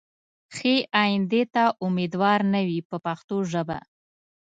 ښې ایندې ته امیدوار نه وي په پښتو ژبه.